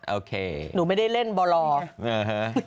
โอเคเพราะหนูไม่ได้เล่นบ่รออ่าฮะ